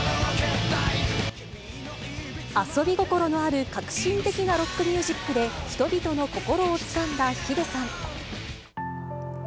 遊び心のある革新的なロックミュージックで、人々の心をつかんだｈｉｄｅさん。